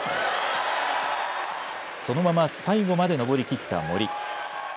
そのまま最後まで登りきった森。